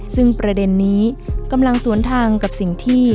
ซึ่งประเด็นนี้กำลังสวนทางกับสิ่งที่